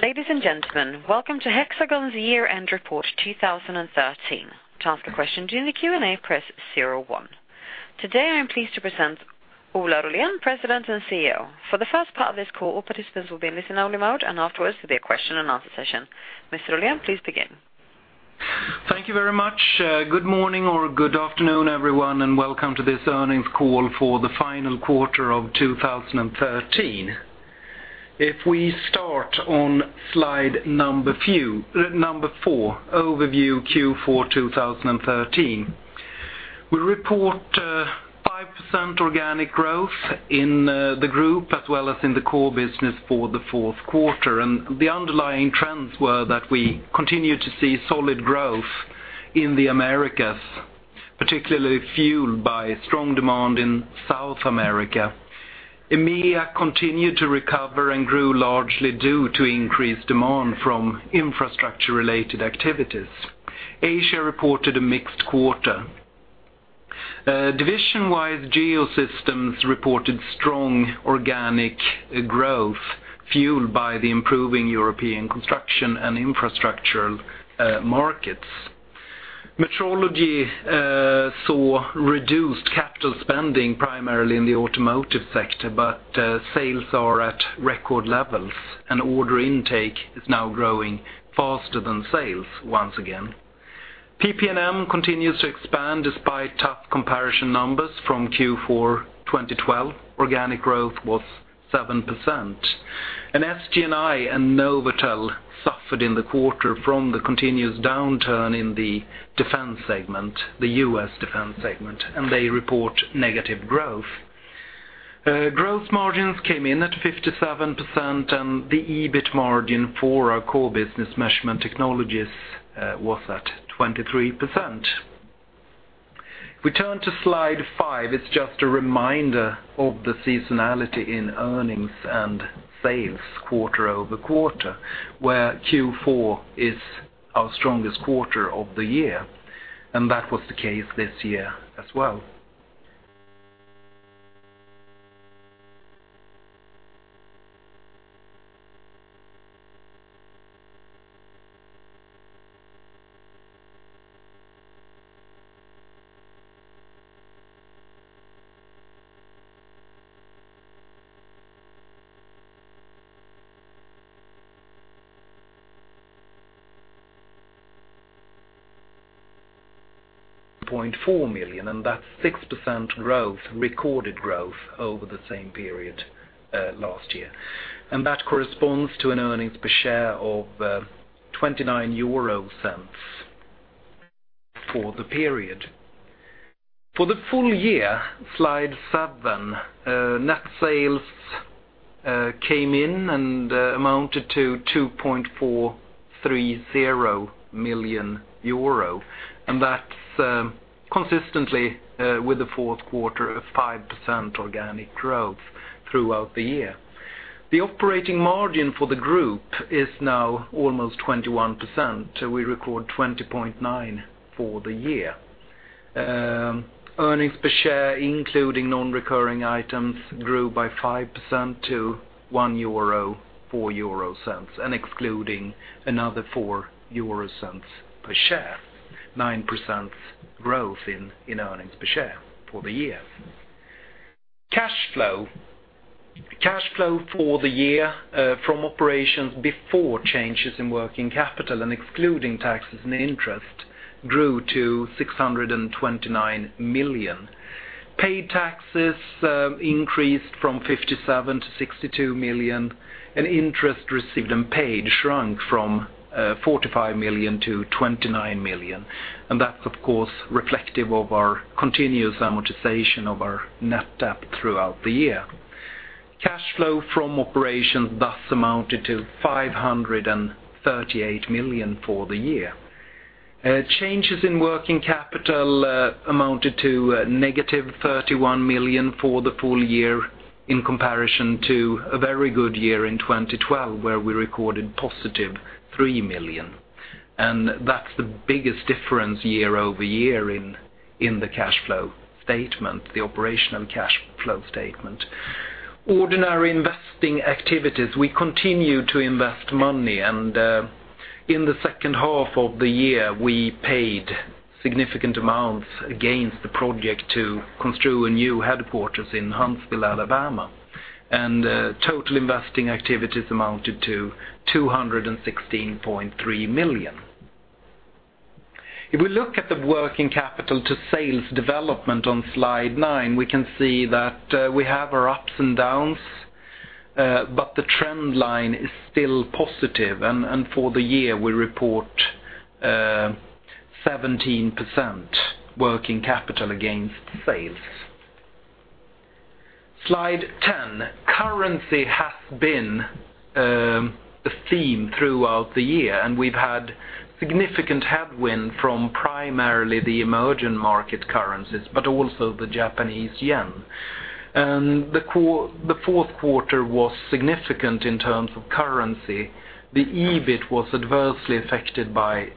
Ladies and gentlemen, welcome to Hexagon's year-end report 2013. To ask a question during the Q&A, press 01. Today, I am pleased to present Ola Rollén, President and CEO. For the first part of this call, all participants will be in listen-only mode, and afterwards there will be a question and answer session. Mr. Rollén, please begin. Thank you very much. Good morning or good afternoon, everyone, and welcome to this earnings call for the final quarter of 2013. We start on slide number four, overview Q4 2013. We report 5% organic growth in the group as well as in the core business for the fourth quarter. The underlying trends were that we continue to see solid growth in the Americas, particularly fueled by strong demand in South America. EMEA continued to recover and grew largely due to increased demand from infrastructure-related activities. Asia reported a mixed quarter. Division-wide, Geosystems reported strong organic growth fueled by the improving European construction and infrastructure markets. Metrology saw reduced capital spending, primarily in the automotive sector, but sales are at record levels and order intake is now growing faster than sales once again. PP&M continues to expand despite tough comparison numbers from Q4 2012. Organic growth was 7%. SG&I and NovAtel suffered in the quarter from the continuous downturn in the defense segment, the U.S. defense segment, and they report negative growth. Gross margins came in at 57%, and the EBIT margin for our core business measurement technologies was at 23%. We turn to slide five, it's just a reminder of the seasonality in earnings and sales quarter-over-quarter, where Q4 is our strongest quarter of the year, and that was the case this year as well. 0.4 million. That's 6% growth, recorded growth over the same period last year. That corresponds to an earnings per share of 0.29 for the period. For the full year, slide seven, net sales came in and amounted to 2,430 million euro. That's consistently with the fourth quarter of 5% organic growth throughout the year. The operating margin for the group is now almost 21%. We record 20.9% for the year. Earnings per share, including non-recurring items, grew by 5% to 1.04 euro, excluding another 0.04 per share, 9% growth in earnings per share for the year. Cash flow for the year from operations before changes in working capital and excluding taxes and interest grew to 629 million. Paid taxes increased from 57 million to 62 million, interest received and paid shrunk from 45 million to 29 million, that's of course reflective of our continuous amortization of our net debt throughout the year. Cash flow from operations thus amounted to 538 million for the year. Changes in working capital amounted to negative 31 million for the full year in comparison to a very good year in 2012, where we recorded positive 3 million. That's the biggest difference year-over-year in the cash flow statement, the operational cash flow statement. Ordinary investing activities, we continue to invest money, and in the second half of the year, we paid significant amounts against the project to construe a new headquarters in Huntsville, Alabama. Total investing activities amounted to 216.3 million. If we look at the working capital to sales development on Slide 9, we can see that we have our ups and downs, but the trend line is still positive. For the year, we report 17% working capital against sales. Slide 10. Currency has been the theme throughout the year, and we've had significant headwind from primarily the emerging market currencies, but also the Japanese yen. The fourth quarter was significant in terms of currency. The EBIT was adversely affected by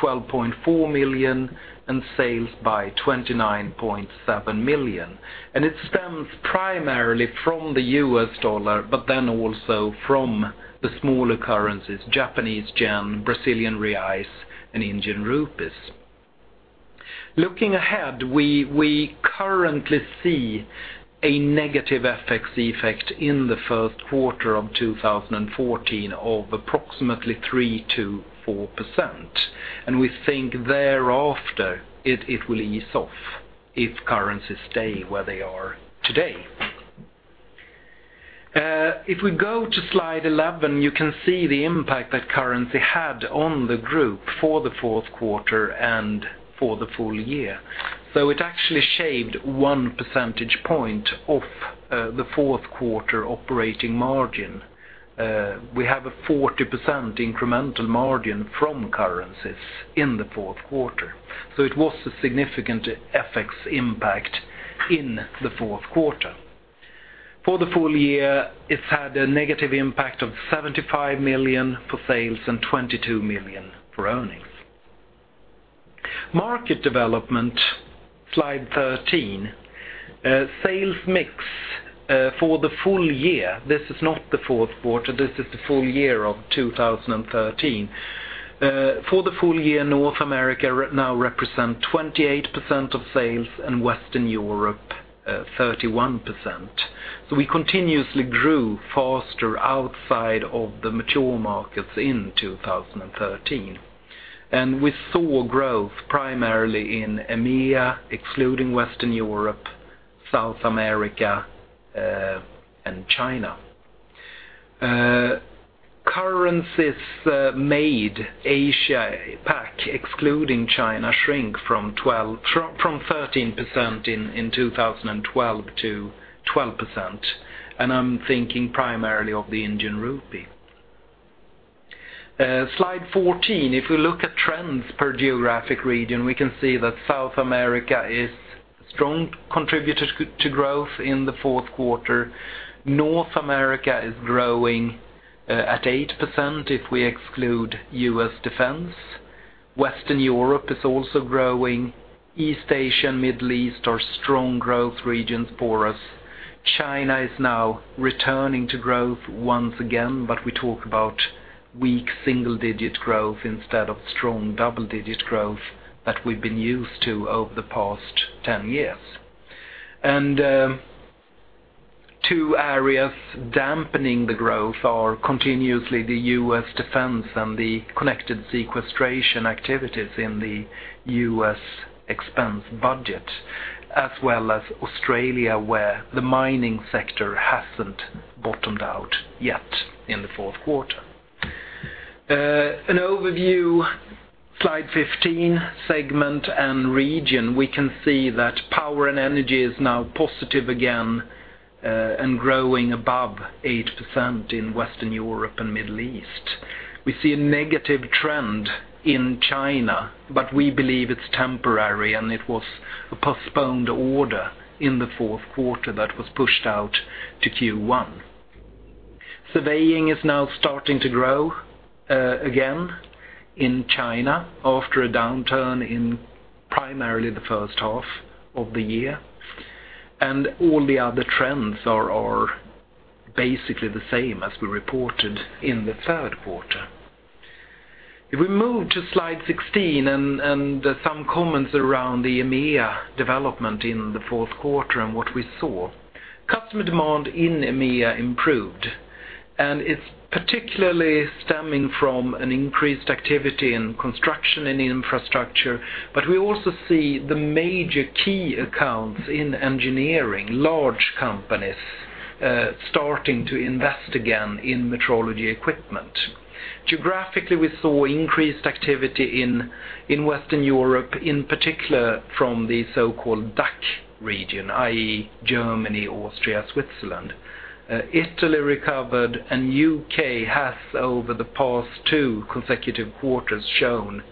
12.4 million and sales by 29.7 million. It stems primarily from the U.S. dollar, but also from the smaller currencies, Japanese yen, Brazilian reais, and Indian rupees. Looking ahead, we currently see a negative FX effect in the first quarter of 2014 of approximately 3%-4%. We think thereafter it will ease off if currencies stay where they are today. If we go to slide 11, you can see the impact that currency had on the group for the fourth quarter and for the full year. It actually shaved one percentage point off the fourth quarter operating margin. We have a 40% incremental margin from currencies in the fourth quarter. It was a significant FX impact in the fourth quarter. For the full year, it had a negative impact of 75 million for sales and 22 million for earnings. Market development, slide 13. Sales mix for the full year, this is not the fourth quarter, this is the full year of 2013. For the full year, North America now represent 28% of sales, and Western Europe 31%. We continuously grew faster outside of the mature markets in 2013. We saw growth primarily in EMEA, excluding Western Europe, South America, and China. Currencies made Asia Pac, excluding China, shrink from 13% in 2012 to 12%, and I'm thinking primarily of the Indian rupee. Slide 14. If we look at trends per geographic region, we can see that South America is strong contributor to growth in the fourth quarter. North America is growing at 8% if we exclude U.S. Defense. Western Europe is also growing. East Asia and Middle East are strong growth regions for us. China is now returning to growth once again, but we talk about weak single-digit growth instead of strong double-digit growth that we've been used to over the past 10 years. Two areas dampening the growth are continuously the U.S. Defense and the connected sequestration activities in the U.S. expense budget, as well as Australia, where the mining sector hasn't bottomed out yet in the fourth quarter. An overview, slide 15, segment and region. We can see that power and energy is now positive again, and growing above 8% in Western Europe and Middle East. We see a negative trend in China, but we believe it's temporary, and it was a postponed order in the fourth quarter that was pushed out to Q1. Surveying is now starting to grow again in China after a downturn in primarily the first half of the year. All the other trends are basically the same as we reported in the third quarter. If we move to slide 16 and some comments around the EMEA development in the fourth quarter and what we saw. Customer demand in EMEA improved. It's particularly stemming from an increased activity in construction and infrastructure. We also see the major key accounts in engineering, large companies, starting to invest again in metrology equipment. Geographically, we saw increased activity in Western Europe, in particular from the so-called DACH region, i.e., Germany, Austria, Switzerland. Italy recovered, and U.K. has, over the past two consecutive quarters, shown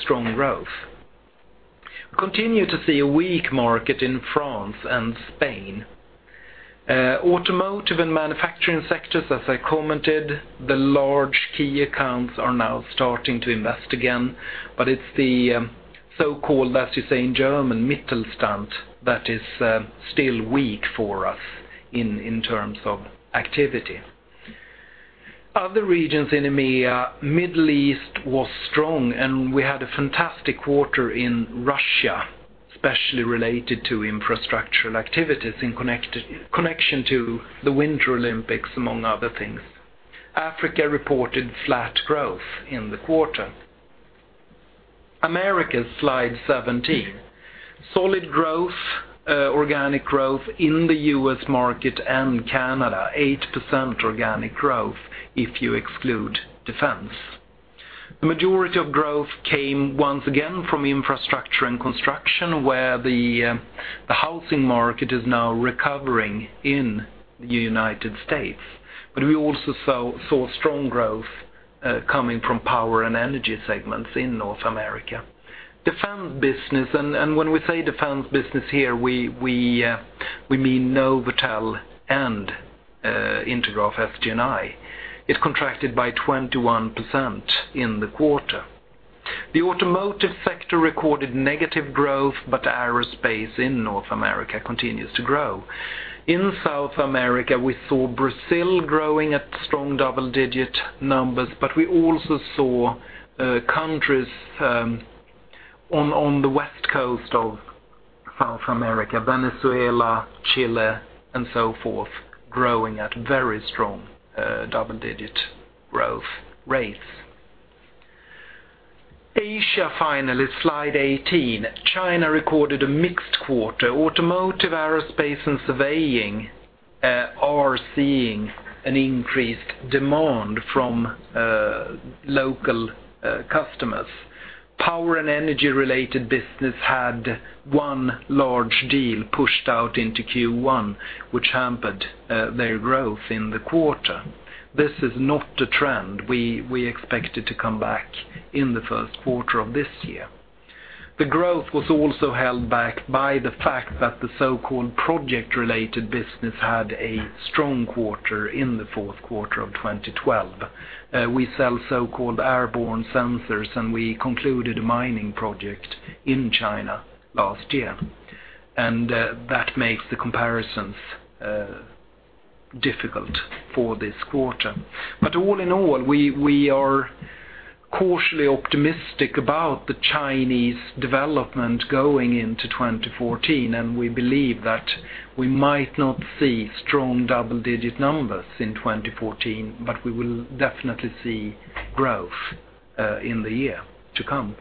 strong growth. We continue to see a weak market in France and Spain. Automotive and manufacturing sectors, as I commented, the large key accounts are now starting to invest again, but it's the so-called, as you say in German, Mittelstand, that is still weak for us in terms of activity. Other regions in EMEA, Middle East was strong. We had a fantastic quarter in Russia, especially related to infrastructural activities in connection to the Winter Olympics, among other things. Africa reported flat growth in the quarter. Americas, slide 17. Solid growth, organic growth in the U.S. market and Canada, 8% organic growth if you exclude defense. The majority of growth came once again from infrastructure and construction, where the housing market is now recovering in the United States. We also saw strong growth coming from power and energy segments in North America. Defense business, and when we say defense business here, we mean NovAtel and Intergraph SG&I. It contracted by 21% in the quarter. The automotive sector recorded negative growth, but aerospace in North America continues to grow. In South America, we saw Brazil growing at strong double-digit numbers. We also saw countries on the west coast of South America, Venezuela, Chile, and so forth, growing at very strong double-digit growth rates. Asia, finally, slide 18. China recorded a mixed quarter. Automotive, aerospace, and surveying are seeing an increased demand from local customers. Power and energy-related business had one large deal pushed out into Q1, which hampered their growth in the quarter. This is not a trend. We expect it to come back in the first quarter of this year. The growth was also held back by the fact that the so-called project-related business had a strong quarter in the fourth quarter of 2012. We sell so-called airborne sensors. We concluded a mining project in China last year, and that makes the comparisons difficult for this quarter. All in all, we are cautiously optimistic about the Chinese development going into 2014. We believe that we might not see strong double-digit numbers in 2014, but we will definitely see growth in the year to come.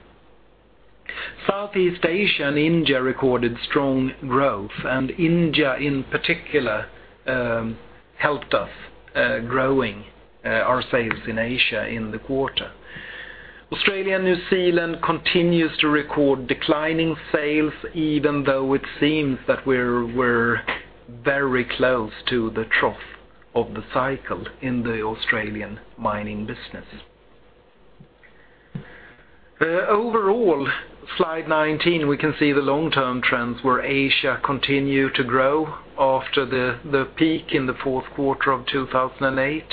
Southeast Asia and India recorded strong growth. India in particular helped us growing our sales in Asia in the quarter. Australia and New Zealand continues to record declining sales, even though it seems that we're very close to the trough of the cycle in the Australian mining business. Overall, slide 19, we can see the long-term trends where Asia continue to grow after the peak in the fourth quarter of 2008.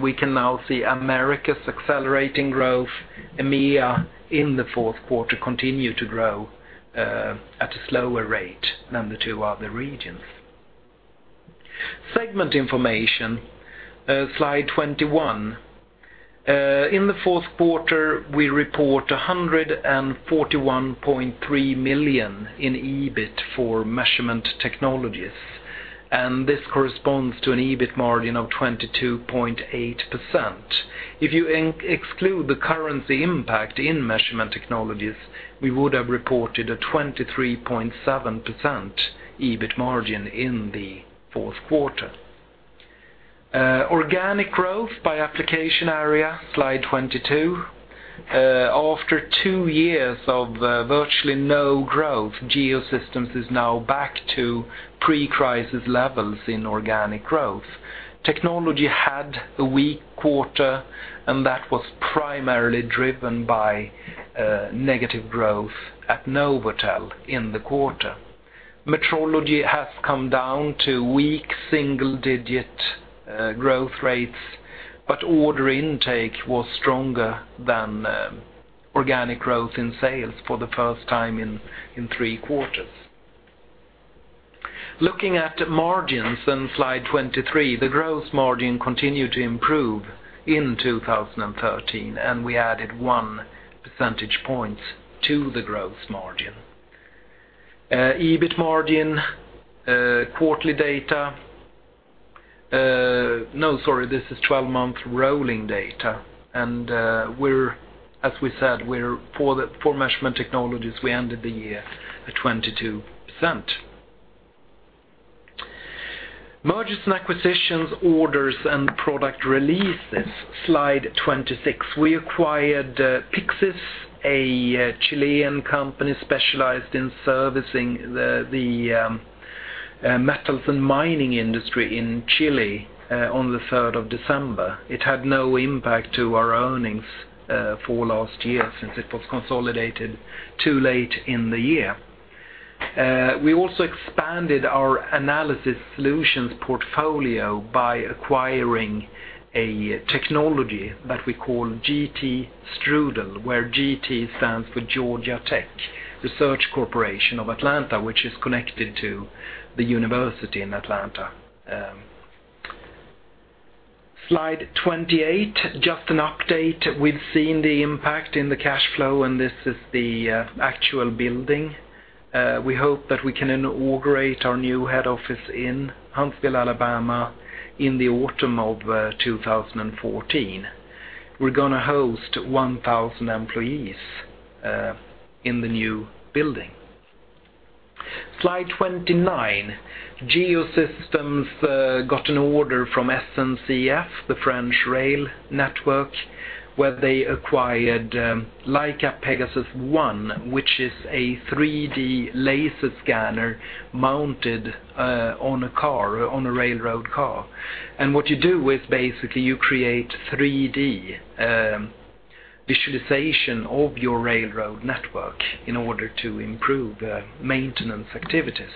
We can now see America's accelerating growth. EMEA in the fourth quarter continued to grow at a slower rate than the two other regions. Segment information, slide 21. In the fourth quarter, we report 141.3 million in EBIT for measurement technologies. This corresponds to an EBIT margin of 22.8%. If you exclude the currency impact in measurement technologies, we would have reported a 23.7% EBIT margin in the fourth quarter. Organic growth by application area, slide 22. After two years of virtually no growth, Geosystems is now back to pre-crisis levels in organic growth. Technology had a weak quarter. That was primarily driven by negative growth at NovAtel in the quarter. Metrology has come down to weak single-digit growth rates, but order intake was stronger than organic growth in sales for the first time in three quarters. Looking at margins in slide 23, the growth margin continued to improve in 2013. We added one percentage point to the growth margin. EBIT margin, quarterly data. No, sorry, this is 12-month rolling data. As we said, for measurement technologies, we ended the year at 22%. Mergers and acquisitions, orders, and product releases, slide 26. We acquired Pixis, a Chilean company specialized in servicing the metals and mining industry in Chile on the 3rd of December. It had no impact to our earnings for last year since it was consolidated too late in the year. We also expanded our analysis solutions portfolio by acquiring a technology that we call GT STRUDL, where GT stands for Georgia Tech, the Research Corporation of Atlanta, which is connected to the university in Atlanta. Slide 28, just an update. We've seen the impact in the cash flow. This is the actual building. We hope that we can inaugurate our new head office in Huntsville, Alabama in the autumn of 2014. We're going to host 1,000 employees in the new building. Slide 29. Geosystems got an order from SNCF, the French rail network, where they acquired Leica Pegasus:One, which is a 3D laser scanner mounted on a railroad car. What you do is basically you create 3D-Visualization of your railroad network in order to improve maintenance activities.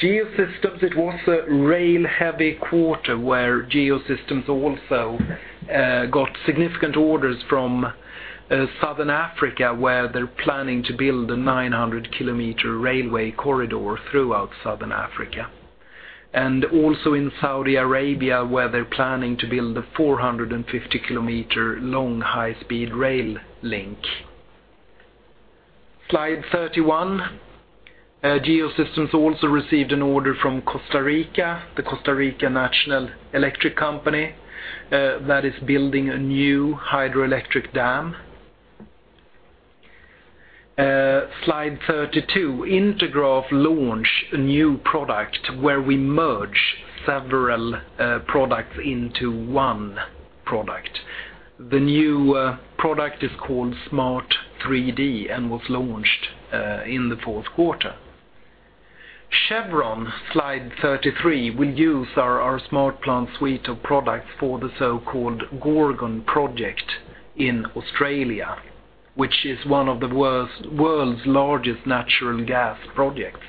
Geosystems, it was a rail-heavy quarter where Geosystems also got significant orders from Southern Africa, where they're planning to build a 900-kilometer railway corridor throughout Southern Africa. Also in Saudi Arabia, where they're planning to build a 450-kilometer long high-speed rail link. Slide 31. Geosystems also received an order from Costa Rica, the Costa Rica National Electric Company, that is building a new hydroelectric dam. Slide 32. Intergraph launched a new product where we merge several products into one product. The new product is called Smart 3D and was launched in the fourth quarter. Chevron, slide 33, will use our SmartPlant suite of products for the so-called Gorgon Project in Australia, which is one of the world's largest natural gas projects.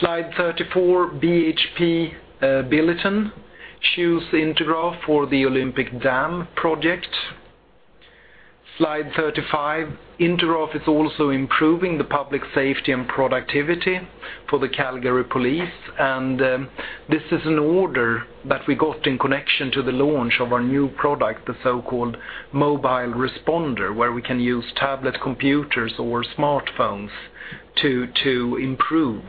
Slide 34, BHP Billiton chose Intergraph for the Olympic Dam project. Slide 35. Intergraph is also improving the public safety and productivity for the Calgary Police. This is an order that we got in connection to the launch of our new product, the so-called Mobile Responder, where we can use tablet computers or smartphones to improve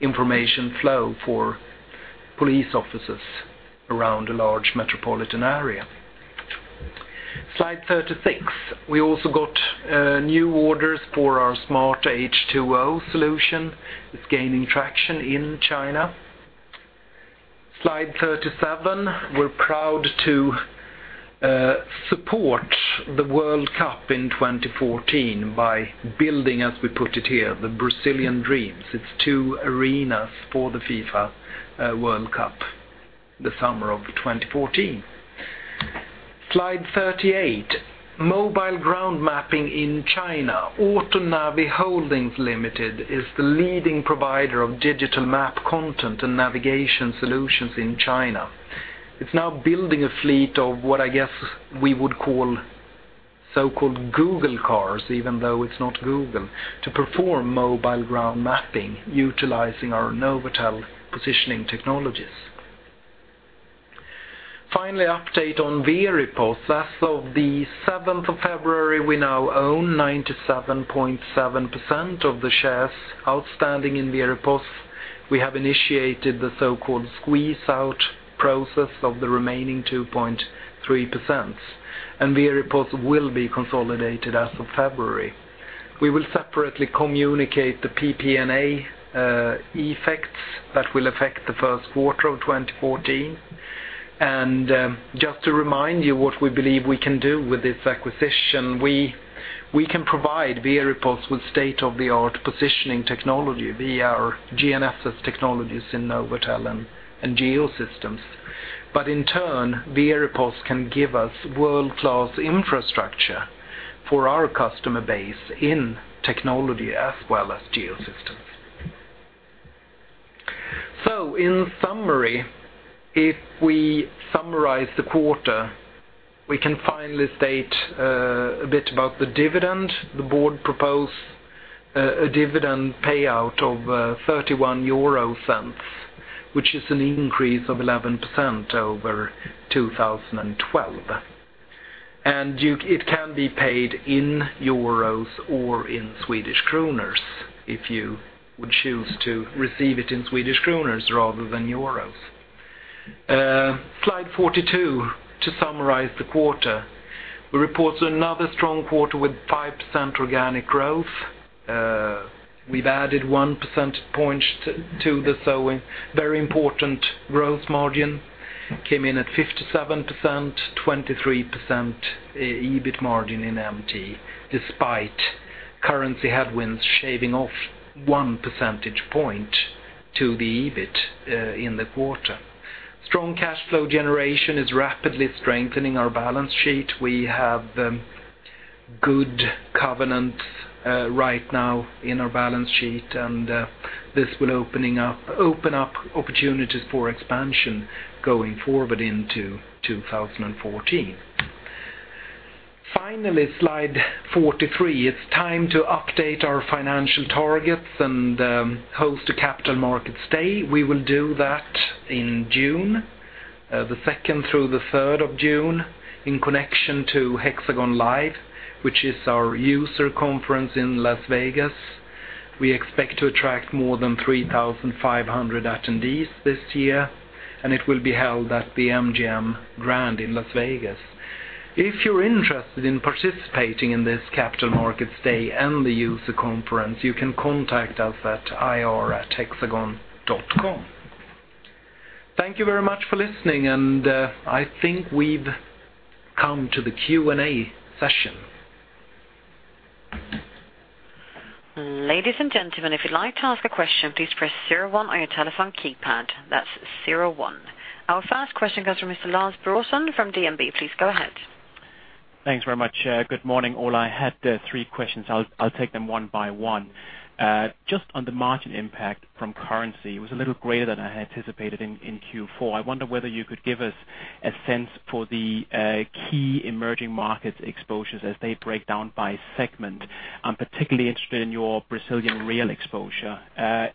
information flow for police officers around a large metropolitan area. Slide 36. We also got new orders for our Smart H2O solution. It's gaining traction in China. Slide 37. We are proud to support the World Cup in 2014 by building, as we put it here, the Brazilian dreams. It is two arenas for the FIFA World Cup, the summer of 2014. Slide 38. Mobile ground mapping in China. AutoNavi Holdings Limited is the leading provider of digital map content and navigation solutions in China. It is now building a fleet of what we would call so-called Google cars, even though it is not Google, to perform mobile ground mapping utilizing our NovAtel positioning technologies. Finally, update on Veripos. As of the 7th of February, we now own 97.7% of the shares outstanding in Veripos. We have initiated the so-called squeeze out process of the remaining 2.3%, and Veripos will be consolidated as of February. We will separately communicate the PPA effects that will affect the first quarter of 2014. Just to remind you what we believe we can do with this acquisition, we can provide Veripos with state-of-the-art positioning technology via our GNSS technologies in NovAtel and Geosystems. But in turn, Veripos can give us world-class infrastructure for our customer base in technology as well as Geosystems. In summary, if we summarize the quarter, we can finally state a bit about the dividend. The board propose a dividend payout of 0.31, which is an increase of 11% over 2012. And it can be paid in euros or in Swedish kronors, if you would choose to receive it in Swedish kronors rather than euros. Slide 42, to summarize the quarter. We report another strong quarter with 5% organic growth. We have added one percentage point to the very important growth margin. Came in at 57%, 23% EBIT margin in MT, despite currency headwinds shaving off one percentage point to the EBIT in the quarter. Strong cash flow generation is rapidly strengthening our balance sheet. We have good covenants right now in our balance sheet, and this will open up opportunities for expansion going forward into 2014. Finally, slide 43. It is time to update our financial targets and host a Capital Markets Day. We will do that in June, the 2nd through the 3rd of June, in connection to Hexagon LIVE, which is our user conference in Las Vegas. We expect to attract more than 3,500 attendees this year, and it will be held at the MGM Grand in Las Vegas. If you are interested in participating in this Capital Markets Day and the user conference, you can contact us at ir@hexagon.com. Thank you very much for listening, and I think we have come to the Q&A session. Ladies and gentlemen, if you'd like to ask a question, please press 01 on your telephone keypad. That's 01. Our first question comes from Mr. Lars Bråthen from DNB. Please go ahead. Thanks very much. Good morning, all. I had three questions. I'll take them one by one. Just on the margin impact from currency, it was a little greater than I had anticipated in Q4. I wonder whether you could give us a sense for the key emerging markets exposures as they break down by segment. I'm particularly interested in your Brazilian real exposure,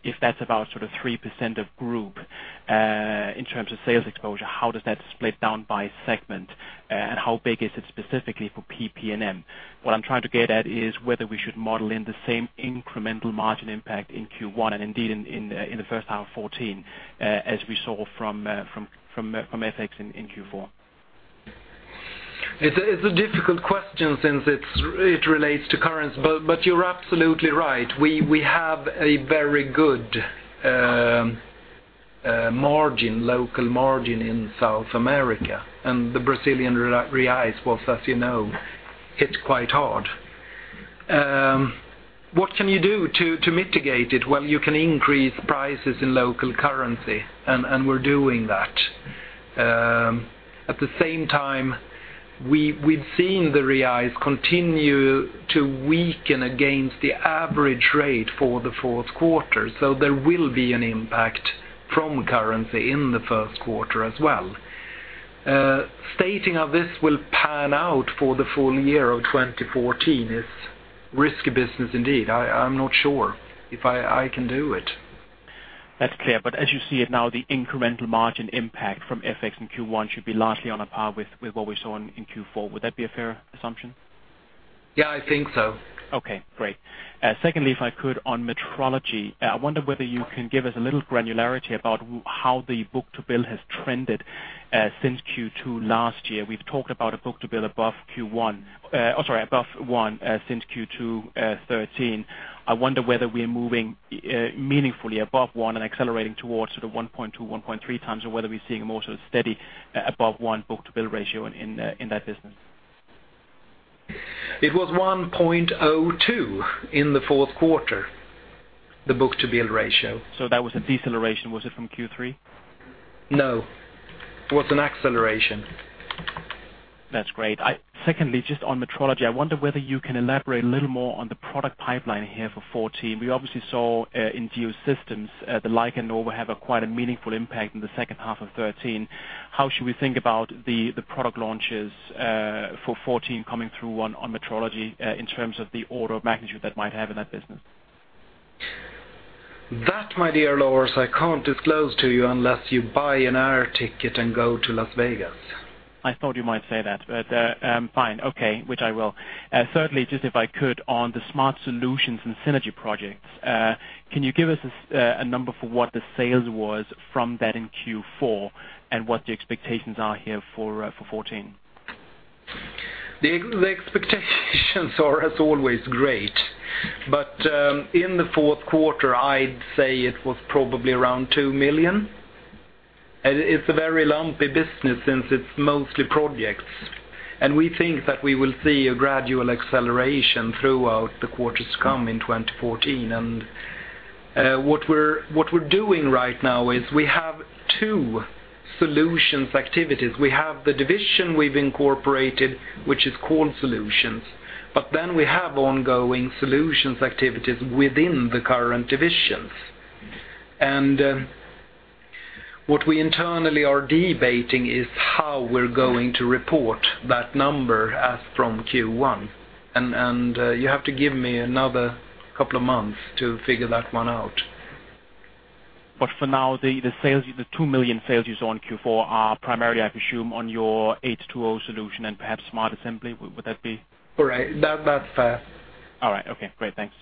if that's about 3% of group, in terms of sales exposure, how does that split down by segment? How big is it specifically for PP&M? What I'm trying to get at is whether we should model in the same incremental margin impact in Q1 and indeed in the first half 2014, as we saw from FX in Q4. It's a difficult question since it relates to currency. You're absolutely right. We have a very good local margin in South America, and the Brazilian reais was, as you know, hit quite hard. What can you do to mitigate it? Well, you can increase prices in local currency, we're doing that. At the same time, we've seen the reais continue to weaken against the average rate for the fourth quarter, there will be an impact from currency in the first quarter as well. Stating how this will pan out for the full year of 2014 is risky business indeed. I'm not sure if I can do it. That's clear, as you see it now, the incremental margin impact from FX in Q1 should be largely on a par with what we saw in Q4. Would that be a fair assumption? Yeah, I think so. Okay, great. Secondly, if I could, on metrology, I wonder whether you can give us a little granularity about how the book-to-bill has trended since Q2 last year. We've talked about a book-to-bill above one since Q2 2013. I wonder whether we're moving meaningfully above one and accelerating towards the 1.2, 1.3 times, or whether we're seeing a more steady above one book-to-bill ratio in that business. It was 1.02 in the fourth quarter, the book-to-bill ratio. That was a deceleration, was it from Q3? No. It was an acceleration. That's great. Secondly, just on metrology, I wonder whether you can elaborate a little more on the product pipeline here for 2014. We obviously saw in Geosystems, the Leica Nova have a quite a meaningful impact in the second half of 2013. How should we think about the product launches for 2014 coming through one on metrology in terms of the order of magnitude that might have in that business? That, my dear Lars, I can't disclose to you unless you buy an air ticket and go to Las Vegas. I thought you might say that, but fine, okay, which I will. Thirdly, just if I could, on the smart solutions and synergy projects, can you give us a number for what the sales was from that in Q4 and what the expectations are here for 2014? The expectations are as always great. In the fourth quarter, I'd say it was probably around 2 million. It's a very lumpy business since it's mostly projects. We think that we will see a gradual acceleration throughout the quarters to come in 2014. What we're doing right now is we have two solutions activities. We have the division we've incorporated, which is called Solutions, but then we have ongoing solutions activities within the current divisions. What we internally are debating is how we're going to report that number as from Q1, and you have to give me another couple of months to figure that one out. For now, the 2 million sales you saw in Q4 are primarily, I presume, on your H2O Solution and perhaps Smart Assembly, would that be? Right. That's fair. All right. Okay, great. Thanks.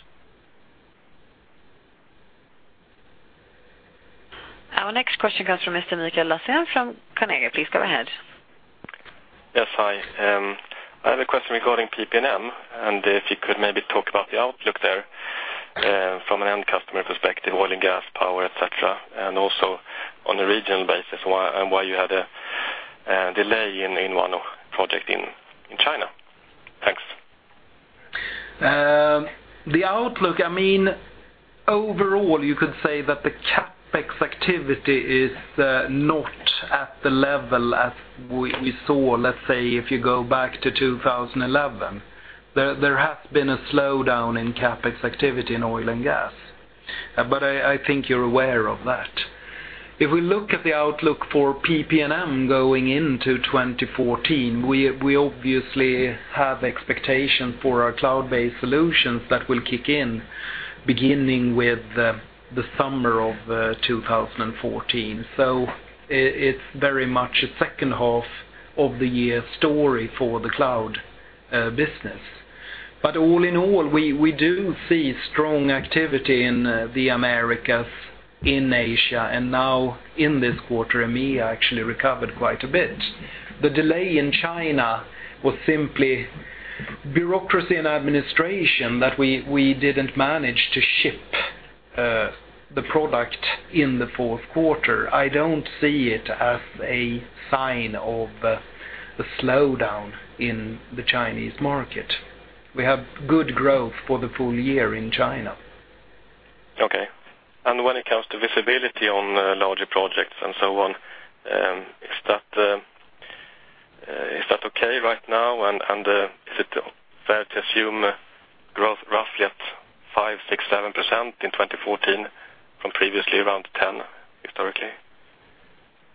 Our next question comes from Mr. Mikael Sandgren from Carnegie. Please go ahead. Yes, hi. I have a question regarding PP&M, and if you could maybe talk about the outlook there from an end customer perspective, oil and gas, power, et cetera, and also on a regional basis, and why you had a delay in one project in China. Thanks. The outlook, overall, you could say that the CapEx activity is not at the level as we saw, let's say, if you go back to 2011. There has been a slowdown in CapEx activity in oil and gas. I think you're aware of that. If we look at the outlook for PP&M going into 2014, we obviously have expectation for our cloud-based solutions that will kick in beginning with the summer of 2014. It's very much a second half of the year story for the cloud business. All in all, we do see strong activity in the Americas, in Asia, and now in this quarter, EMEA actually recovered quite a bit. The delay in China was simply bureaucracy and administration that we didn't manage to shift the product in the fourth quarter. I don't see it as a sign of a slowdown in the Chinese market. We have good growth for the full year in China. Okay. When it comes to visibility on larger projects and so on, is that okay right now, and is it fair to assume growth roughly at 5%, 6%, 7% in 2014 from previously around 10%, historically?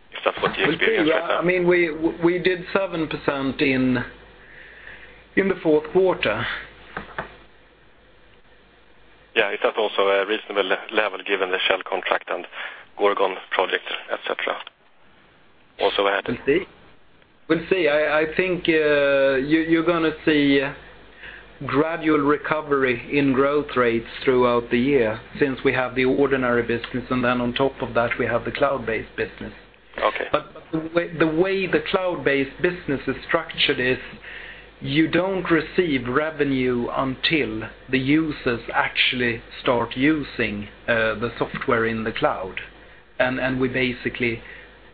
Is that what the experience is now? We did 7% in the fourth quarter. Yeah. Is that also a reasonable level given the Shell contract and Gorgon Project, et cetera? We'll see. I think you're going to see gradual recovery in growth rates throughout the year since we have the ordinary business, and then on top of that, we have the cloud-based business. Okay. The way the cloud-based business is structured is you don't receive revenue until the users actually start using the software in the cloud, and we basically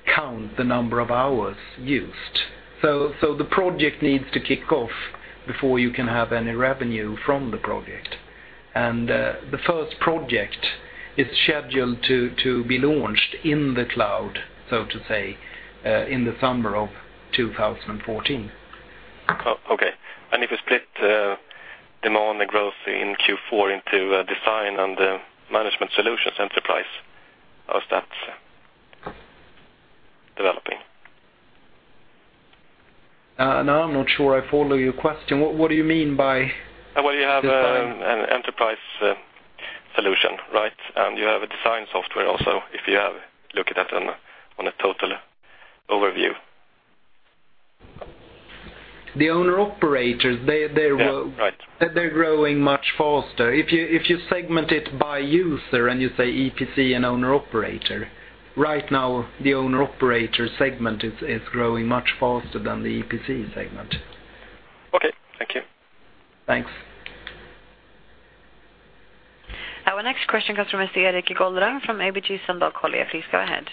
count the number of hours used. The project needs to kick off before you can have any revenue from the project. The first project is scheduled to be launched in the cloud, so to say, in the summer of 2014. Oh, okay. If you split demand and growth in Q4 into design and management solutions enterprise, how is that developing? No, I'm not sure I follow your question. What do you mean by design? Well, you have an enterprise solution, right? You have a design software also, if you look at that on a total overview. The owner-operators- Yeah. Right they're growing much faster. If you segment it by user and you say EPC and owner-operator, right now, the owner-operator segment is growing much faster than the EPC segment. Okay. Thank you. Thanks. Our next question comes from Mr. Erik Golrang from ABG Sundal Collier. Please go ahead.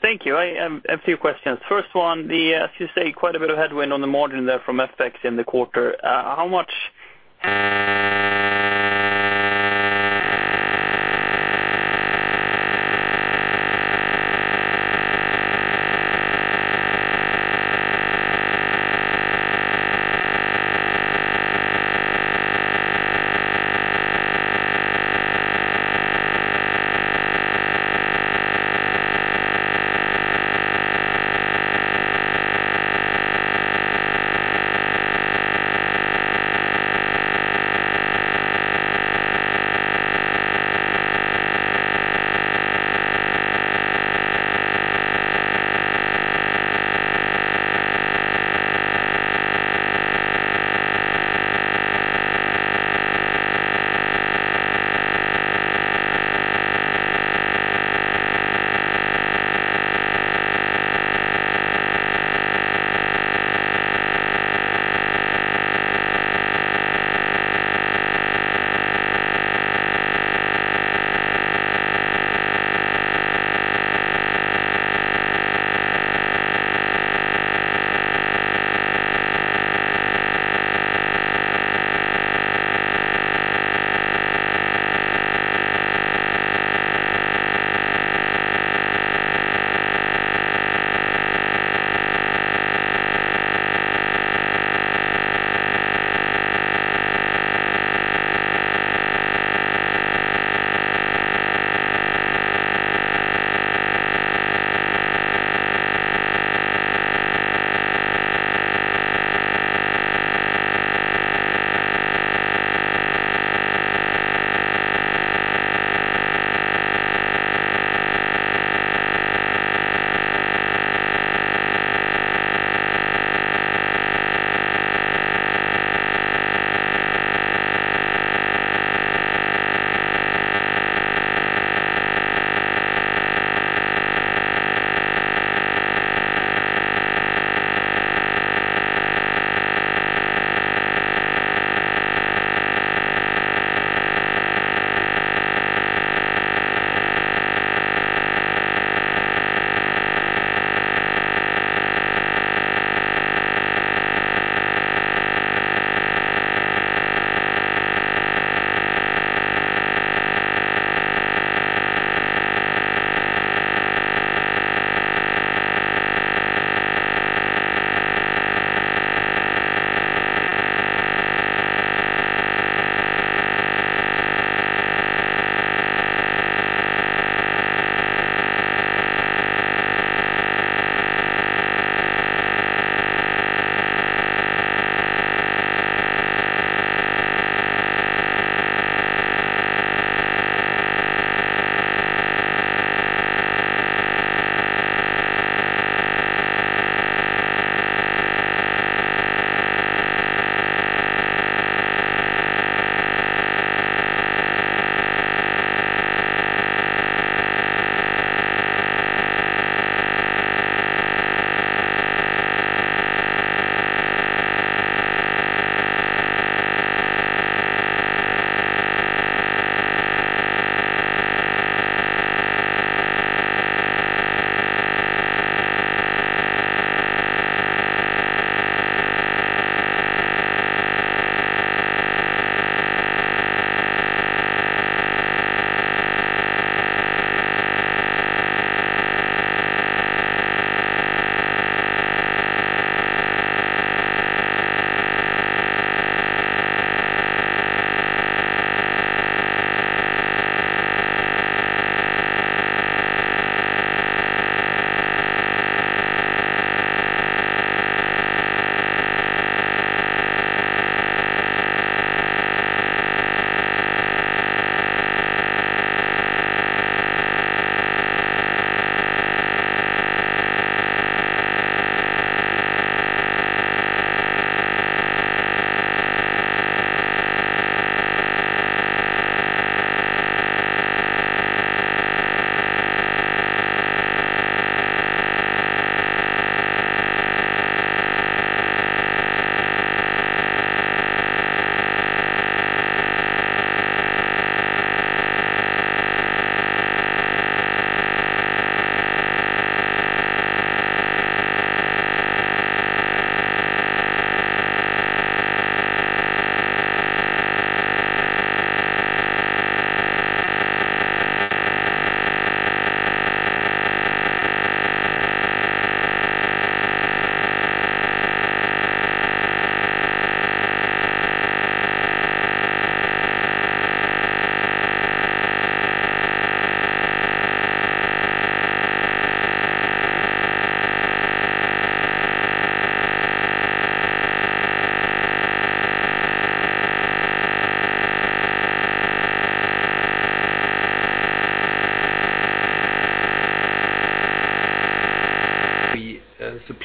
Thank you. I have a few questions. First one, as you say, quite a bit of headwind on the margin there from FX in the quarter. How much-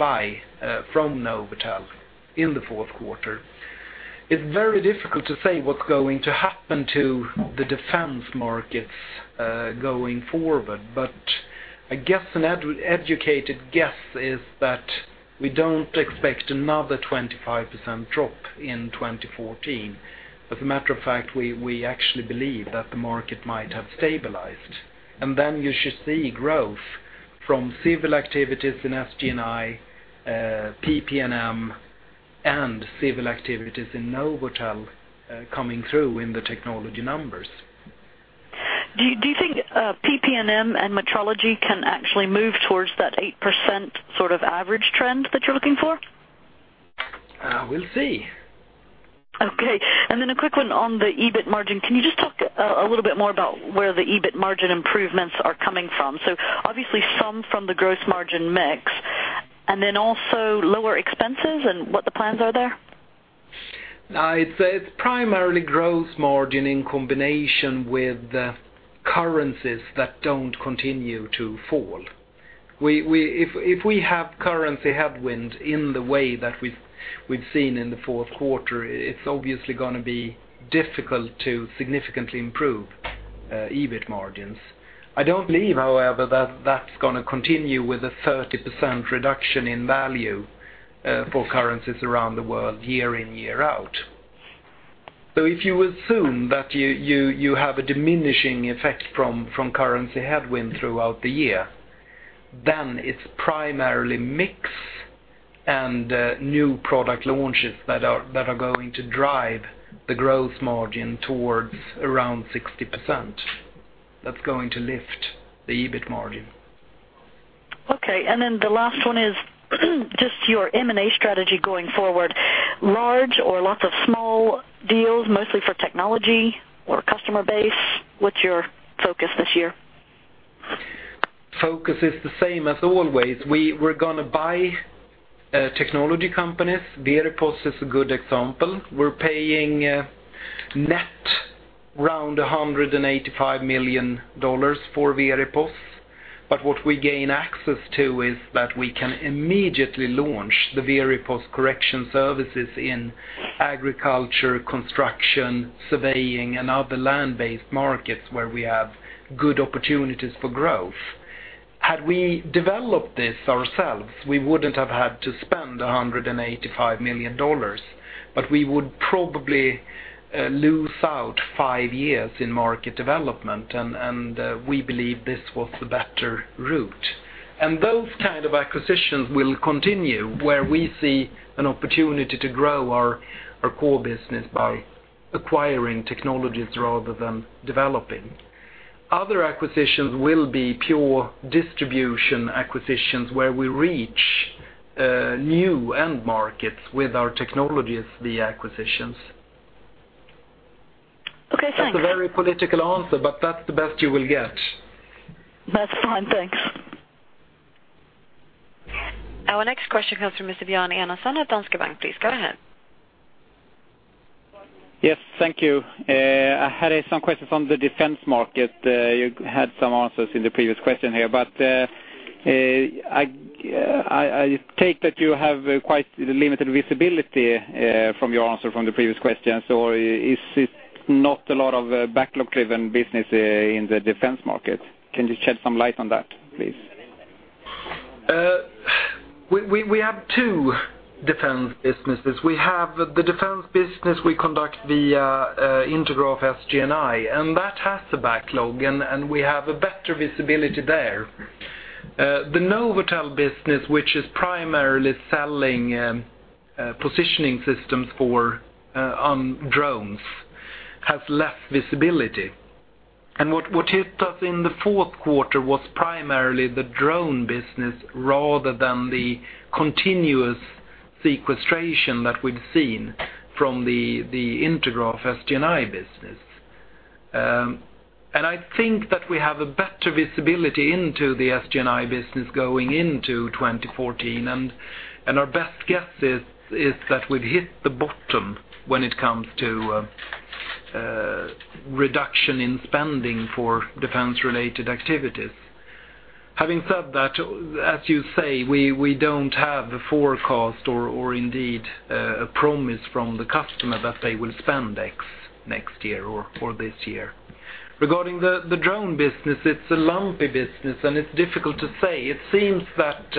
We supply from NovAtel in the fourth quarter. It's very difficult to say what's going to happen to the defense markets going forward. I guess an educated guess is that we don't expect another 25% drop in 2014. As a matter of fact, we actually believe that the market might have stabilized, then you should see growth from civil activities in SG&I, PP&M, and civil activities in NovAtel coming through in the technology numbers. Do you think PP&M and metrology can actually move towards that 8% average trend that you're looking for? We'll see. A quick one on the EBIT margin. Can you just talk a little bit more about where the EBIT margin improvements are coming from? Obviously some from the gross margin mix, and also lower expenses and what the plans are there? It's primarily gross margin in combination with currencies that don't continue to fall. If we have currency headwind in the way that we've seen in the fourth quarter, it's obviously going to be difficult to significantly improve EBIT margins. I don't believe, however, that that's going to continue with a 30% reduction in value for currencies around the world year in, year out. If you assume that you have a diminishing effect from currency headwind throughout the year, it's primarily mix and new product launches that are going to drive the gross margin towards around 60%. That's going to lift the EBIT margin. Okay, the last one is just your M&A strategy going forward. Large or lots of small deals, mostly for technology or customer base? What's your focus this year? Focus is the same as always. We're going to buy technology companies. Veripos is a good example. We're paying net around $185 million for Veripos. What we gain access to is that we can immediately launch the Veripos correction services in agriculture, construction, surveying, and other land-based markets where we have good opportunities for growth. Had we developed this ourselves, we wouldn't have had to spend $185 million, but we would probably lose out five years in market development, and we believe this was the better route. Those kind of acquisitions will continue where we see an opportunity to grow our core business by acquiring technologies rather than developing. Other acquisitions will be pure distribution acquisitions where we reach new end markets with our technologies via acquisitions. Okay, thank you. That's a very political answer, that's the best you will get. That's fine. Thanks. Our next question comes from Mr. Johan Eliason at Danske Bank. Please go ahead. Yes, thank you. I had some questions on the defense market. You had some answers in the previous question here, but I take that you have quite limited visibility from your answer from the previous question. Is this not a lot of backlog-driven business in the defense market? Can you shed some light on that, please? We have two defense businesses. We have the defense business we conduct via Intergraph SG&I, and that has a backlog, and we have a better visibility there. The NovAtel business, which is primarily selling positioning systems for drones, has less visibility. What hit us in the fourth quarter was primarily the drone business rather than the continuous sequestration that we've seen from the Intergraph SG&I business. I think that we have a better visibility into the SG&I business going into 2014, and our best guess is that we've hit the bottom when it comes to reduction in spending for defense-related activities. Having said that, as you say, we don't have the forecast or indeed, a promise from the customer that they will spend X next year or this year. Regarding the drone business, it's a lumpy business, and it's difficult to say. It seems that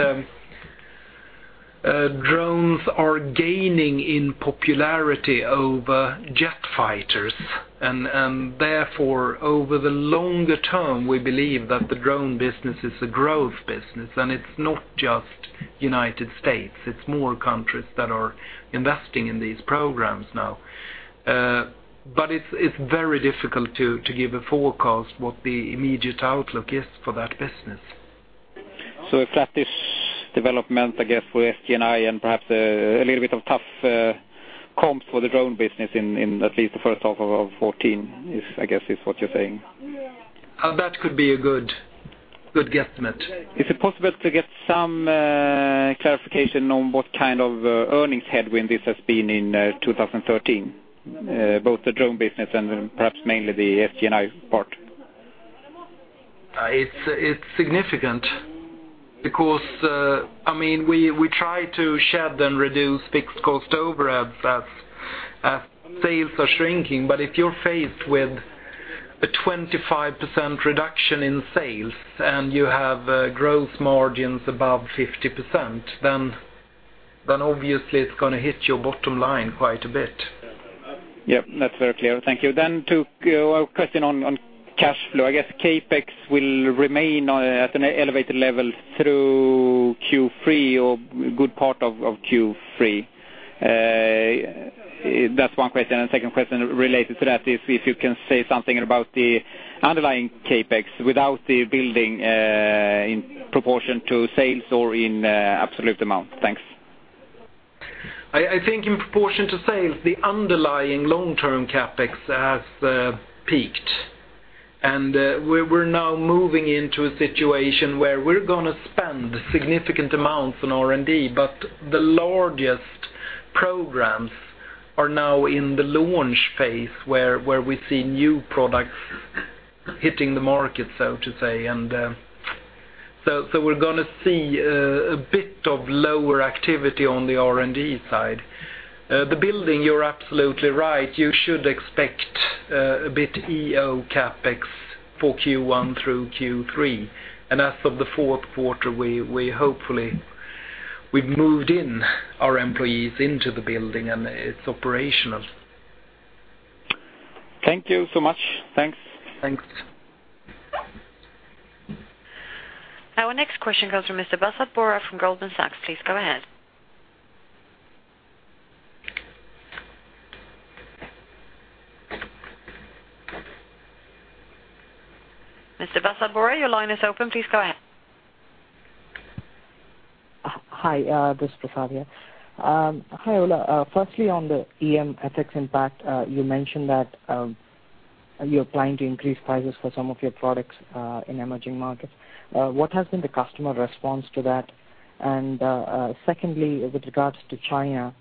drones are gaining in popularity over jet fighters, and therefore, over the longer term, we believe that the drone business is a growth business, and it's not just U.S., it's more countries that are investing in these programs now. It's very difficult to give a forecast what the immediate outlook is for that business. A flattish development, I guess, for SG&I and perhaps a little bit of tough comps for the drone business in at least the first half of 2014, I guess is what you're saying? That could be a good guesstimate. Is it possible to get some clarification on what kind of earnings headwind this has been in 2013? Both the drone business and perhaps mainly the SG&I part. It's significant because we try to shed and reduce fixed cost overheads as sales are shrinking, but if you're faced with a 25% reduction in sales and you have gross margins above 50%, then obviously it's going to hit your bottom line quite a bit. Yes, that's very clear. Thank you. A question on cash flow. I guess CapEx will remain at an elevated level through Q3 or a good part of Q3. That's one question, and the second question related to that is if you can say something about the underlying CapEx without the building in proportion to sales or in absolute amount. Thanks. I think in proportion to sales, the underlying long-term CapEx has peaked, and we're now moving into a situation where we're going to spend significant amounts on R&D, but the largest programs are now in the launch phase where we see new products hitting the market, so to say. We're going to see a bit of lower activity on the R&D side. The building, you're absolutely right. You should expect a bit elevated CapEx for Q1 through Q3, and as of the fourth quarter, we've hopefully moved in our employees into the building and it's operational. Thank you so much. Thanks. Thanks. Our next question comes from Mr. Basab Borah from Goldman Sachs. Please go ahead. Mr. Basab Borah, your line is open. Please go ahead. Hi, this is Basab here. Hi, Ola. Firstly, on the EM FX impact, you mentioned that you're planning to increase prices for some of your products in emerging markets. What has been the customer response to that? Secondly, with regards to China,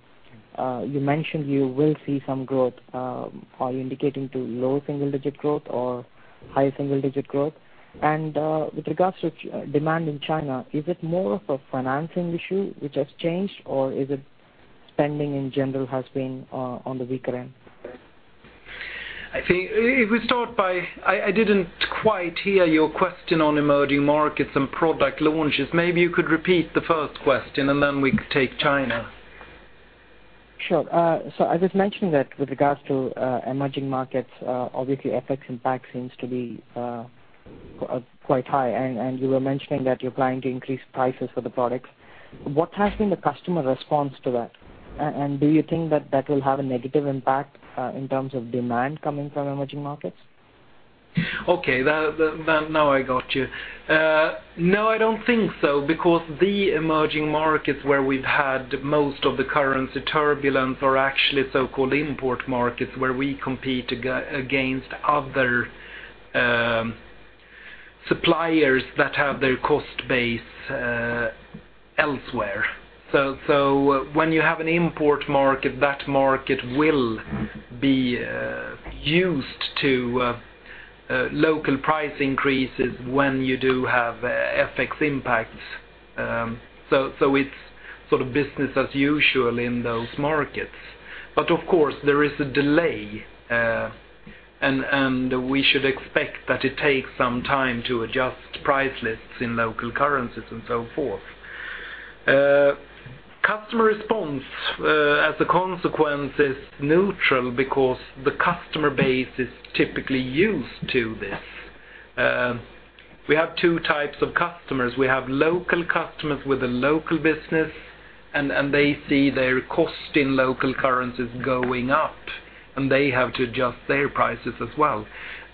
you mentioned you will see some growth. Are you indicating to low single-digit growth or high single-digit growth? With regards to demand in China, is it more of a financing issue which has changed, or is it spending in general has been on the weaker end? I didn't quite hear your question on emerging markets and product launches. Maybe you could repeat the first question, and then we could take China. Sure. I just mentioned that with regards to emerging markets, obviously FX impact seems to be quite high, and you were mentioning that you're planning to increase prices for the products. What has been the customer response to that, and do you think that that will have a negative impact in terms of demand coming from emerging markets? Okay. Now I got you. I don't think so, because the emerging markets where we've had most of the currency turbulence are actually so-called import markets, where we compete against other suppliers that have their cost base elsewhere. When you have an import market, that market will be used to local price increases when you do have FX impacts. It's sort of business as usual in those markets. Of course, we should expect that it takes some time to adjust price lists in local currencies and so forth. Customer response, as a consequence, is neutral because the customer base is typically used to this. We have two types of customers. We have local customers with a local business, and they see their cost in local currencies going up, and they have to adjust their prices as well.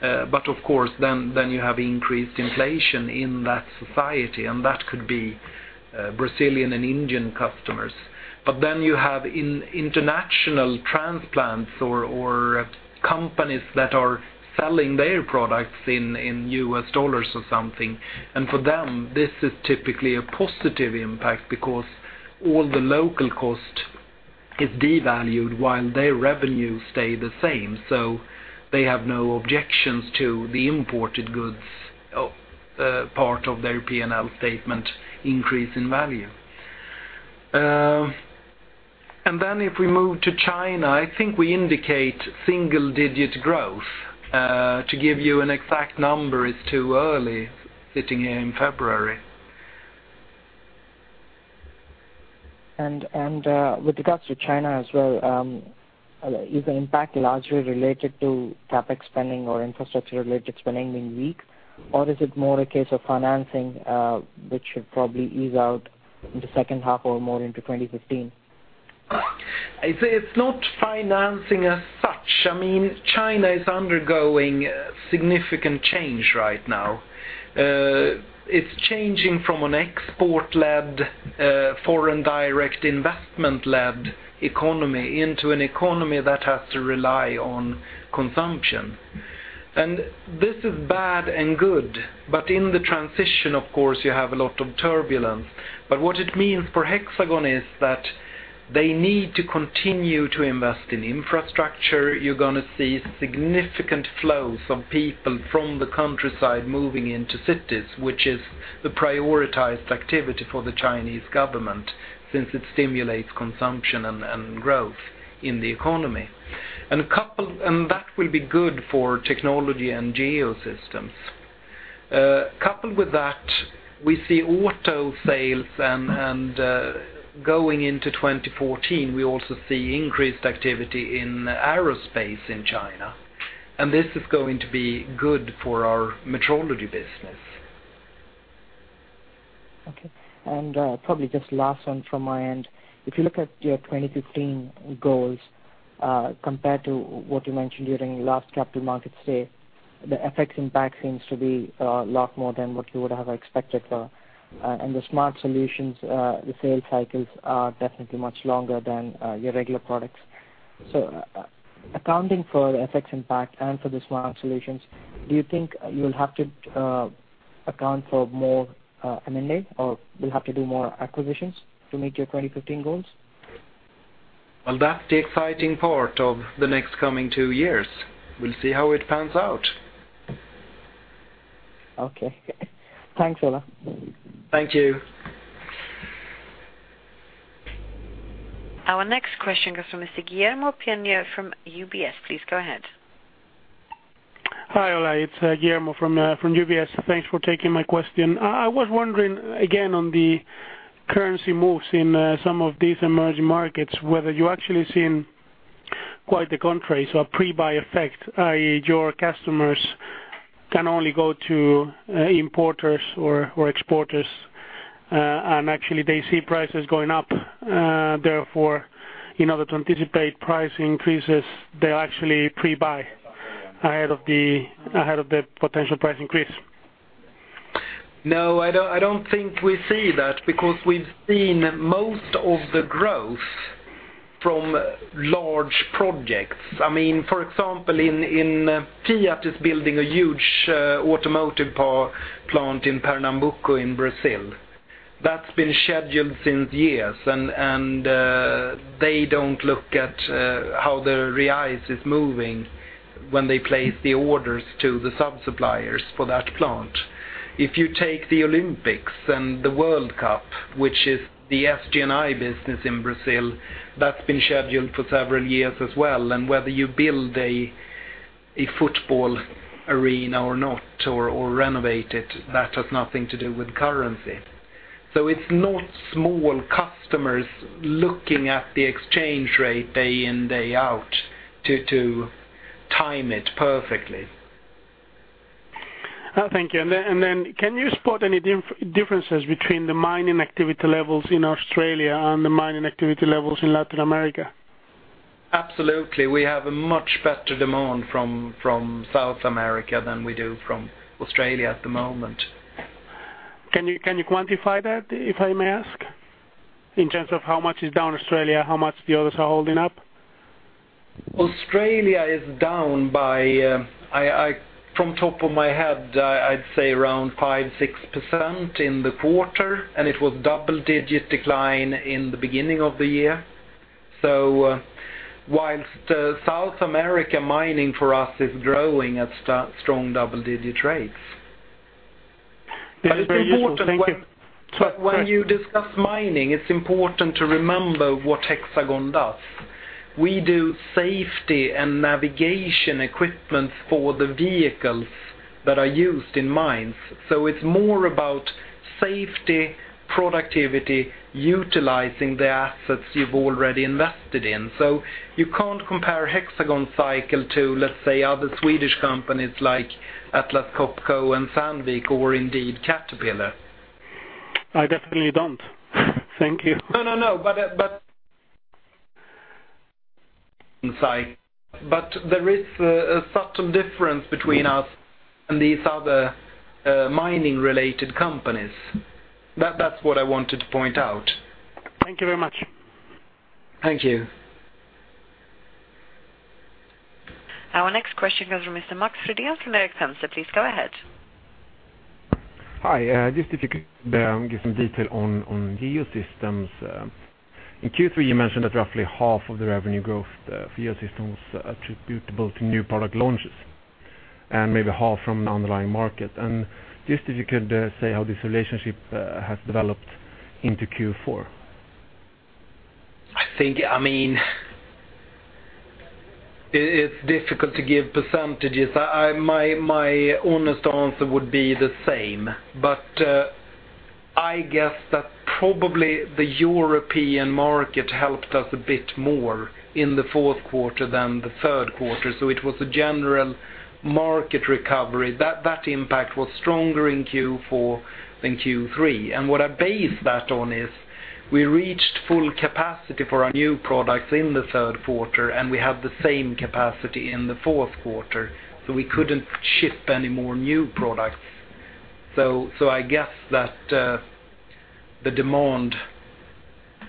Of course, then you have increased inflation in that society, and that could be Brazilian and Indian customers. Then you have international transplants or companies that are selling their products in U.S. dollars or something. For them, this is typically a positive impact because all the local cost is devalued while their revenues stay the same. They have no objections to the imported goods, part of their P&L statement increase in value. If we move to China, I think we indicate single-digit growth. To give you an exact number is too early sitting here in February. With regards to China as well, is the impact largely related to CapEx spending or infrastructure-related spending being weak, or is it more a case of financing, which should probably ease out in the second half or more into 2015? It's not financing as such. China is undergoing significant change right now. It's changing from an export-led, foreign direct investment-led economy into an economy that has to rely on consumption. This is bad and good, but in the transition, of course, you have a lot of turbulence. What it means for Hexagon is that they need to continue to invest in infrastructure. You're going to see significant flows of people from the countryside moving into cities, which is the prioritized activity for the Chinese government, since it stimulates consumption and growth in the economy. That will be good for technology and Geosystems. Coupled with that, we see auto sales, and going into 2014, we also see increased activity in aerospace in China, and this is going to be good for our metrology business. Okay. Probably just last one from my end. If you look at your 2015 goals, compared to what you mentioned during last Capital Markets Day, the FX impact seems to be a lot more than what you would have expected for. The smart solutions, the sales cycles are definitely much longer than your regular products. Accounting for the FX impact and for the smart solutions, do you think you'll have to account for more M&A, or will have to do more acquisitions to meet your 2015 goals? Well, that's the exciting part of the next coming two years. We'll see how it pans out. Okay. Thanks, Ola. Thank you. Our next question comes from Mr. Guillermo Pianezza from UBS. Please go ahead. Hi, Ola. It's Guillermo from UBS. Thanks for taking my question. I was wondering, again, on the currency moves in some of these emerging markets, whether you actually seen quite the contrary, so a pre-buy effect, i.e., your customers can only go to importers or exporters, and actually they see prices going up, therefore, in order to anticipate price increases, they actually pre-buy ahead of the potential price increase. No, I don't think we see that because we've seen most of the growth from large projects. For example, Fiat is building a huge automotive plant in Pernambuco in Brazil. That's been scheduled since years, and they don't look at how the reais is moving when they place the orders to the sub-suppliers for that plant. If you take the Olympics and the World Cup, which is the SG&I business in Brazil, that's been scheduled for several years as well, and whether you build a football arena or not or renovate it, that has nothing to do with currency. It's not small customers looking at the exchange rate day in, day out to time it perfectly. Thank you. Can you spot any differences between the mining activity levels in Australia and the mining activity levels in Latin America? Absolutely. We have a much better demand from South America than we do from Australia at the moment. Can you quantify that, if I may ask? In terms of how much is down Australia, how much the others are holding up? Australia is down by, from top of my head, I'd say around 5%, 6% in the quarter, and it was double-digit decline in the beginning of the year. Whilst South America mining for us is growing at strong double-digit rates It's very useful. Thank you. When you discuss mining, it's important to remember what Hexagon does. We do safety and navigation equipment for the vehicles that are used in mines. It's more about safety, productivity, utilizing the assets you've already invested in. You can't compare Hexagon cycle to, let's say, other Swedish companies like Atlas Copco and Sandvik, or indeed Caterpillar. I definitely don't. Thank you. Inside. There is a subtle difference between us and these other mining-related companies. That's what I wanted to point out. Thank you very much. Thank you. Our next question comes from Mr. Max Frisell from Erik Penser. Please go ahead. Hi. Just if you could give some detail on Geosystems. In Q3, you mentioned that roughly half of the revenue growth for Geosystems attributable to new product launches, and maybe half from underlying market. Just if you could say how this relationship has developed into Q4. It's difficult to give percentages. My honest answer would be the same, but I guess that probably the European market helped us a bit more in the fourth quarter than the third quarter. It was a general market recovery. That impact was stronger in Q4 than Q3. What I base that on is we reached full capacity for our new products in the third quarter, and we had the same capacity in the fourth quarter, so we couldn't ship any more new products. I guess that the demand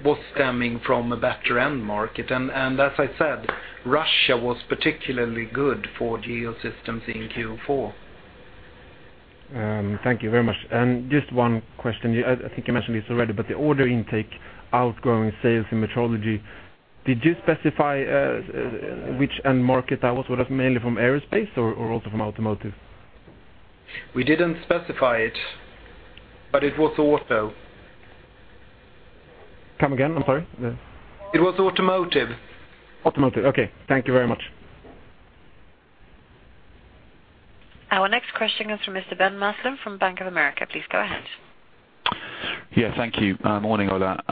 was stemming from a better end market. As I said, Russia was particularly good for Geosystems in Q4. Thank you very much. Just one question, I think you mentioned this already, but the order intake, outgoing sales in metrology, did you specify which end market that was? Was it mainly from aerospace or also from automotive? We didn't specify it, but it was auto. Come again? I'm sorry. It was automotive. Automotive. Okay. Thank you very much. Our next question comes from Mr. Ben Maslen from Bank of America. Please go ahead. Yeah. Thank you. Morning, Ola.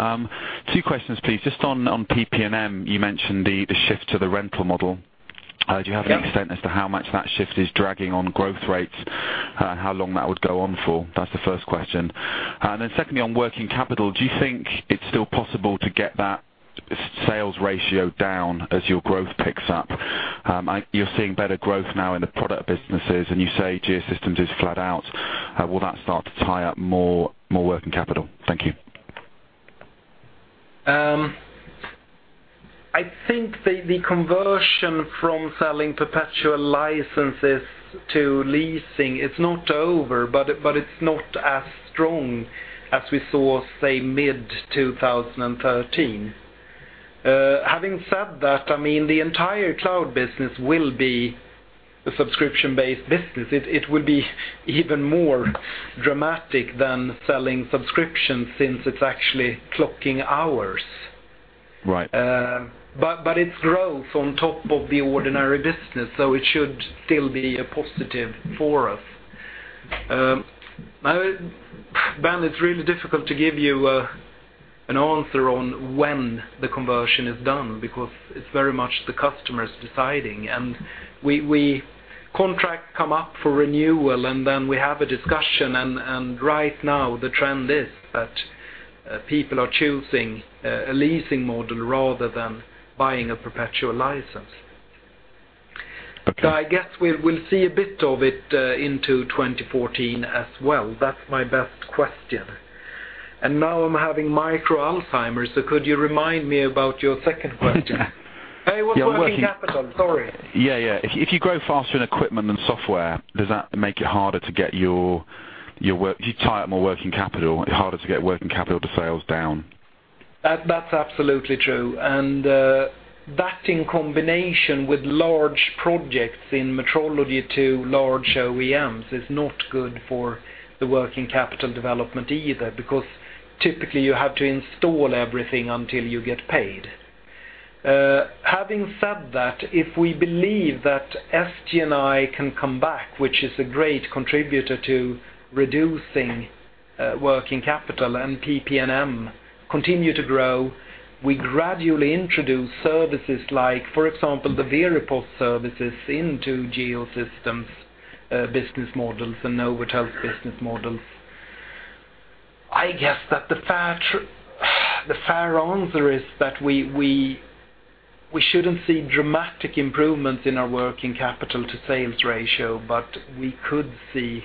Two questions, please. Just on PP&M, you mentioned the shift to the rental model. Yeah. Do you have any extent as to how much that shift is dragging on growth rates? How long that would go on for? That's the first question. Secondly, on working capital, do you think it's still possible to get that sales ratio down as your growth picks up? You're seeing better growth now in the product businesses, and you say Geosystems is flat out. Will that start to tie up more working capital? Thank you. I think the conversion from selling perpetual licenses to leasing is not over, but it's not as strong as we saw, say, mid 2013. Having said that, the entire cloud business will be a subscription-based business. It would be even more dramatic than selling subscriptions since it's actually clocking hours. Right. It's growth on top of the ordinary business, so it should still be a positive for us. Ben, it's really difficult to give you an answer on when the conversion is done because it's very much the customers deciding. Contract come up for renewal and then we have a discussion, and right now the trend is that people are choosing a leasing model rather than buying a perpetual license. Okay. I guess we'll see a bit of it into 2014 as well. That's my best question. Now I'm having micro Alzheimer's, so could you remind me about your second question? It was working capital. Sorry. If you grow faster in equipment than software, does that make it harder to get working capital? Do you tie up more working capital? Harder to get working capital to sales down? That's absolutely true, that in combination with large projects in metrology to large OEMs is not good for the working capital development either, because typically you have to install everything until you get paid. Having said that, if we believe that SG&I can come back, which is a great contributor to reducing working capital and PP&M continue to grow, we gradually introduce services like, for example, the Veripos services into Geosystems business models and NovAtel's business models. The fair answer is that we shouldn't see dramatic improvements in our working capital to sales ratio, but we could see